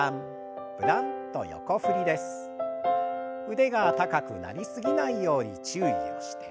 腕が高くなりすぎないように注意をして。